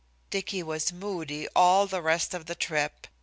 Dicky was moody all the rest of the trip.